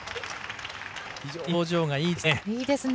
非常に表情がいいですね。